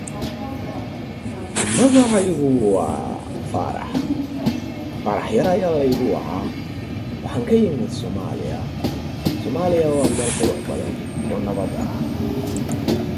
Young ungulates are given a throat bite to suffocate them to death.